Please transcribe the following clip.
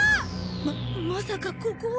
ままさかここは。